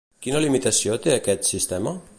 Quina limitació té aquest sistema?